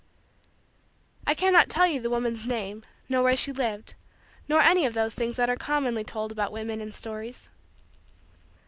I cannot tell you the woman's name, nor where she lived, nor any of those things that are commonly told about women in stories.